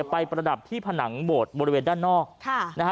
ประดับที่ผนังโบสถ์บริเวณด้านนอก